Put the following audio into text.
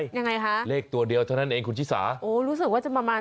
ยังไงคะเลขตัวเดียวเท่านั้นเองคุณชิสาโอ้รู้สึกว่าจะประมาณ